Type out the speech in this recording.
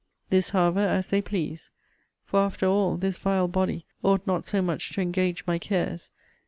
This, however, as they please. For, after all, this vile body ought not so much to engage my cares.